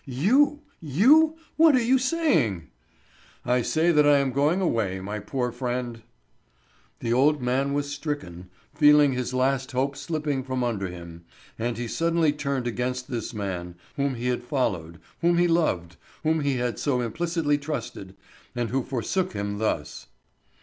"You! You! What are you saying?" "I say that I am going away, my poor friend." The old man was stricken, feeling his last hope slipping from under him, and he suddenly turned against this man, whom he had followed, whom he loved, whom he had so implicitly trusted, and who forsook him thus.